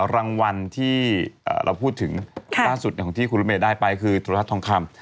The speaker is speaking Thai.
รางวัลที่เอ่อเราพูดถึงค่ะสุดของที่คุณลุยเมฆได้ไปคือตุรัสทองคำ